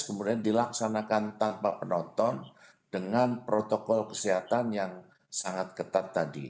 kemudian dilaksanakan tanpa penonton dengan protokol kesehatan yang sangat ketat tadi